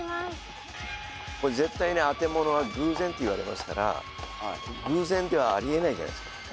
絶対当て物は偶然って言われますから偶然ではありえないじゃないですか。